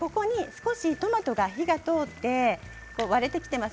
トマトに火が通って割れてきています。